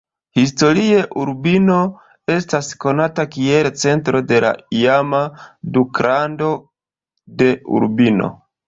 Historie, Urbino estas konata kiel centro de la iama duklando de Urbino.